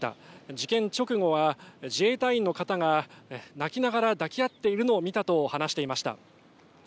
事件直後は自衛隊員の方が泣きながら抱き合っているのを見たと話していました。